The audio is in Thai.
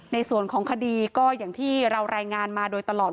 ในส่วนของคดีก็อย่างที่เรารายงานมาโดยตลอด